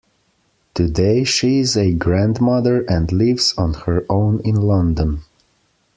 Today, she is a grandmother and lives on her own in London.